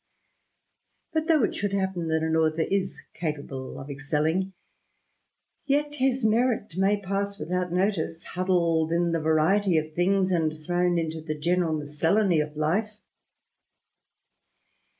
But though it should happen that an author is capable of excelling, yet his merit may pass without notice, huddled in the variety of things, and thrown into the general miscellany of life.